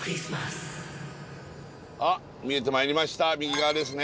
あっ見えてまいりました右側ですね